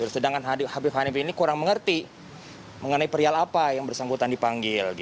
sedangkan habib hanif ini kurang mengerti mengenai perial apa yang bersangkutan dipanggil